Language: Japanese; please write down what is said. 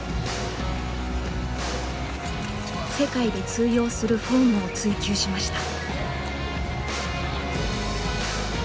世界で通用するフォームを追究しました。